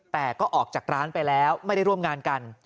แต่ก็ออกจากร้านไปแล้วไม่ได้ร่วมงานกัน